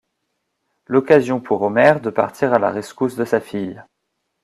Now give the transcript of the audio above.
L'occasion pour Homer de partir à la rescousse de sa fille.